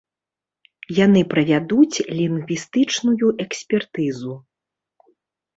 Яны правядуць лінгвістычную экспертызу.